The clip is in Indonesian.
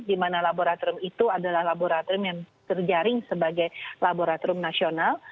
di mana laboratorium itu adalah laboratorium yang terjaring sebagai laboratorium nasional